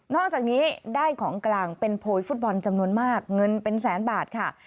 จากนี้ได้ของกลางเป็นโพยฟุตบอลจำนวนมากเงินเป็นแสนบาทค่ะ